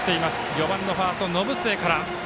４番のファースト、延末から。